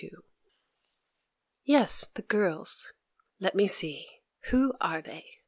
Yes, the girls! Let me see: who are they?